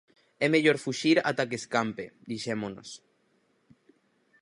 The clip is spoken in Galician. É mellor fuxir ata que escampe, dixémonos.